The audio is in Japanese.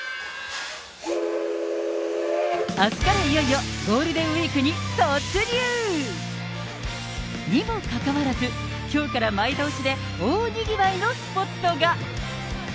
あすからいよいよゴールデンウィークに突入。にもかかわらず、きょうから前倒しで大にぎわいのスポットが。